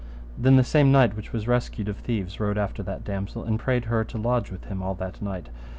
Then the same knight which was rescued of the thieves rode after that damosel, and prayed her to lodge with him all that night.